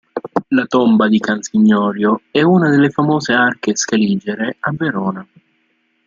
La tomba di Cansignorio è una delle famose arche scaligere a Verona.